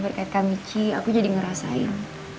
berkaitan michi aku jadi ngerasain